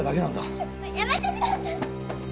ちょっとやめてください！